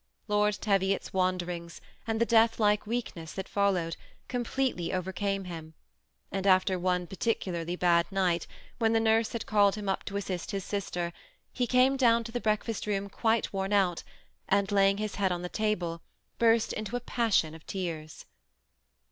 Lord Teviot's wanderings, and the death like weakness that followed, completely overcame him ; and after one pe culiarly bad night, when the nurse had called him up to assist his sister, he came down into the breakfast room quite worn out, and laying his head on the table, burst into a passion of tears.